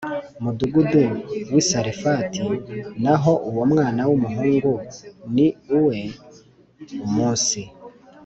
mudugudu w i Sarefati naho uwo mwana w umuhungu ni uwe Umunsi